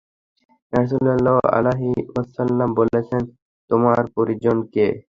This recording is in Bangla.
রাসূল সাল্লাল্লাহু আলাইহি ওয়াসাল্লাম বললেন, তোমার পরিজন কে?